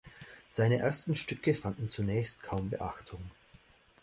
Seine ersten Stücke fanden zunächst kaum Beachtung.